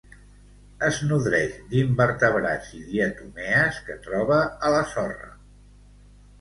Es nodreix d'invertebrats i diatomees que troba a la sorra.